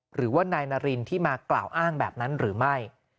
หรือว่านายนารินที่มากล่าวอ้างแบบนั้นหรือไม่